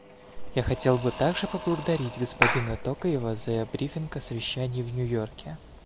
Я хотел бы также поблагодарить господина Токаева за брифинг о совещании в Нью-Йорке.